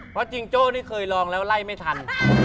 เพราะจิงโจ้นี่เคยลองแล้วไล่ไม่ทัน